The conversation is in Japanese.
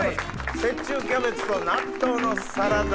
雪中キャベツと納豆のサラダ。